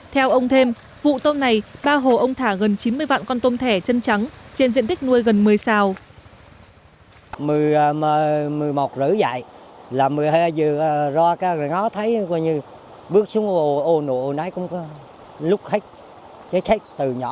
theo ông thêm vụ tôm này ba hồ ông thả gần chín mươi vạn con tôm thẻ chân trắng trên diện tích nuôi gần một mươi sao